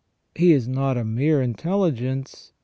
He is not a mere intelligence.